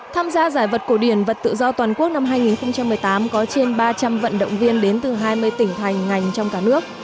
tham gia giải vật cổ điển vật tự do toàn quốc năm hai nghìn một mươi tám có trên ba trăm linh vận động viên đến từ hai mươi tỉnh thành ngành trong cả nước